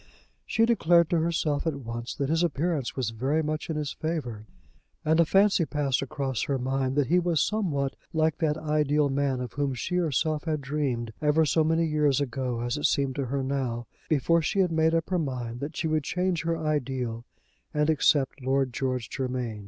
She declared to herself at once that his appearance was very much in his favour, and a fancy passed across her mind that he was somewhat like that ideal man of whom she herself had dreamed, ever so many years ago as it seemed to her now, before she had made up her mind that she would change her ideal and accept Lord George Germain.